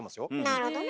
なるほどね。